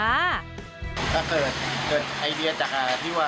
ถ้าเกิดไอเดียจากที่ว่า